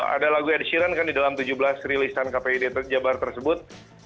ada lagu ed sheeran kan di dalam tujuh belas rilisan kpi di jawa barat tersebut